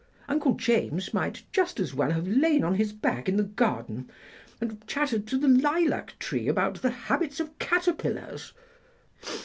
Uncle James might just as well have lain on his back in the garden and chattered to the lilac tree about the habits of caterpillars."